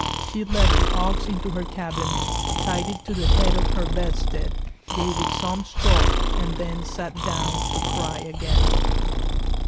She led the ox into her cabin, tied it to the head of her bedstead, gave it some straw, and then sat down to cry again.